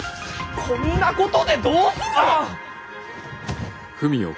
こんなことでどうする！